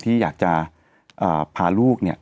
ที่อยากจะพาลูกเนี่ย